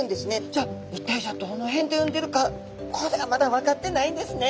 じゃあ一体どの辺で産んでるかこれがまだ分かってないんですね。